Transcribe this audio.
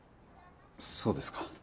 そうですか。